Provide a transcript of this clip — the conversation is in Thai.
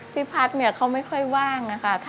พี่พัฒน์เนี่ยเขาไม่ค่อยว่างนะคะ